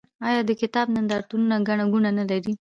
آیا د کتاب نندارتونونه ګڼه ګوڼه نلري؟